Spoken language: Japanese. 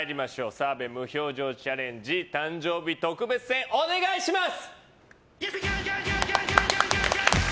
澤部無表情チャレンジ誕生日特別編、お願いします！